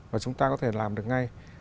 và chúng ta có thể làm được ngay